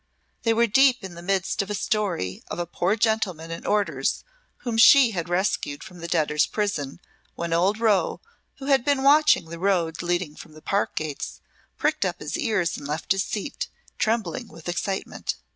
They were deep in the midst of a story of a poor gentleman in orders whom she had rescued from the debtors' prison, when old Rowe, who had been watching the road leading from the park gates, pricked up his ears and left his seat, trembling with excitement.